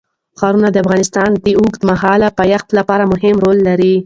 ښارونه د افغانستان د اوږدمهاله پایښت لپاره مهم رول لري.